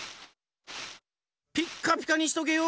ピッカピカにしとけよ！